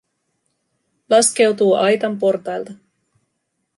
Laskeutuu aitan portailta.